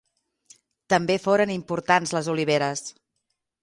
També foren importants les oliveres.